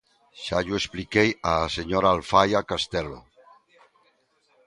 Xa llo expliquei á señora Alfaia Castelo.